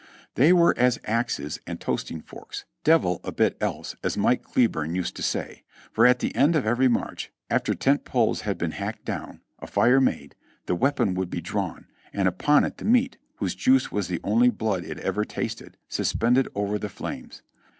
They were as axes and toasting forks, "devil a bit else," as Mike Cleburne used to say ; for at the end of every march, after tent poles had been hacked down, a fire made, the weapon would be drawn, and upon it the meat, whose juice was the only blood it ever tasted, suspended over the flames.